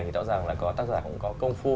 thì rõ ràng là có tác giả cũng có công phu